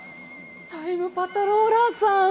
タイムパトローラーさん。